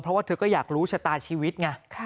เพราะว่าเธอก็อยากรู้ชะตาชีวิตไง